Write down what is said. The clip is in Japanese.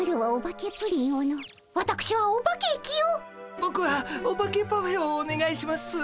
ボクはオバケパフェをおねがいします。